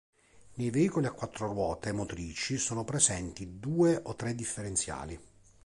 Nei veicoli a quattro ruote motrici sono presenti due o tre differenziali.